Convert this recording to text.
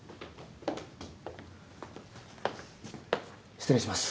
失礼します。